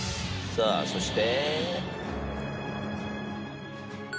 さあそして。